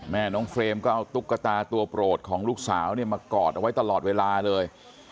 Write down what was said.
แม่น้องเฟรมก็เอาตุ๊กตาตัวโปรดของลูกสาวเนี่ยมากอดเอาไว้ตลอดเวลาเลย